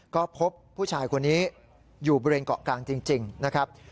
ก็พบผู้ชายคนนี้อยู่บริเวณเกาะกลางจริงนะครับ